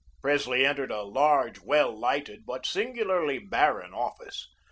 Presley entered a large, well lighted, but singularly barren office.